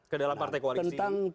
ke dalam partai koalisi